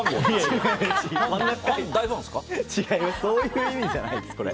そういう意味じゃないです。